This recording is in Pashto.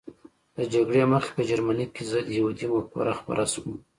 له جګړې مخکې په جرمني کې ضد یهودي مفکوره خپره شوه